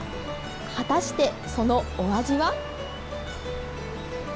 果たしてそのお味は？